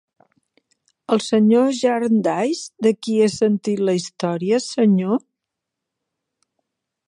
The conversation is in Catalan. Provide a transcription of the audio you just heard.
El Sr. Jarndyce de qui he sentit la història, senyor?